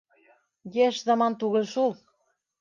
Йәш заман түгел шул.